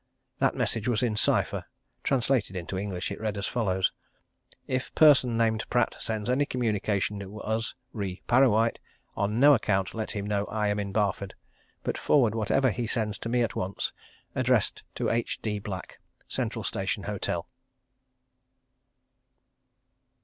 That message was in cypher translated into English, it read as follows: "If person named Pratt sends any communication to us re Parrawhite, on no account let him know I am in Barford, but forward whatever he sends to me at once, addressed to H.D. Black, Central Station Hotel."